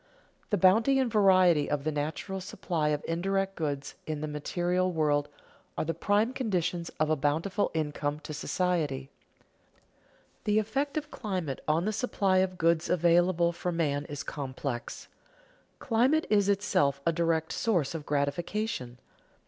_The bounty and variety of the natural supply of indirect goods in the material world are the prime conditions of a bountiful income to society._ The effect of climate on the supply of goods available for man is complex. Climate is itself a direct source of gratification.